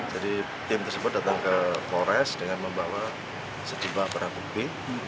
jadi tim tersebut datang ke polres dengan membawa sejumlah perah perah